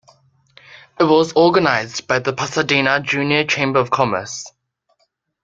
It was organized by the Pasadena Junior Chamber of Commerce.